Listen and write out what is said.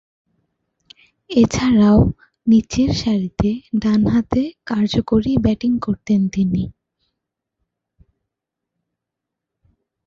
এছাড়াও, নিচেরসারিতে ডানহাতে কার্যকরী ব্যাটিং করতেন তিনি।